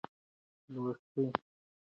لوستې میندې د ماشوم روغ راتلونکی تضمینوي.